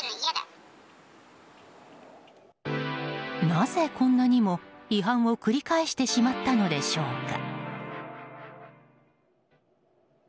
なぜ、こんなにも違反を繰り返してしまったのでしょうか。